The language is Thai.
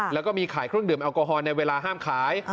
แล้วก็มีขายเครื่องดื่มแอลกอฮอลในเวลาห้ามขาย